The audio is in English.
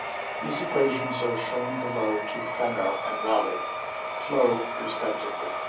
These equations are shown below for Fanno and Rayleigh flow, respectively.